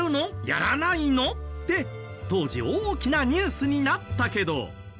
やらないの？って当時大きなニュースになったけど。